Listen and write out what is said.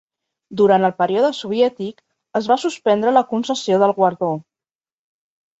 Durant el període soviètic, es va suspendre la concessió del guardó.